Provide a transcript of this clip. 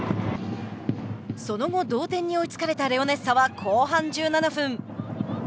その後、同点に追いつかれたレオネッサは後半１７分。